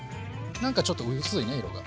何かちょっと薄いね色が。